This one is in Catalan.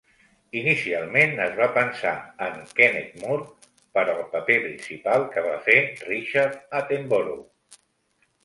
Inicialment es va pensar en Kenneth More per al paper principal que va fer Richard Attenborough.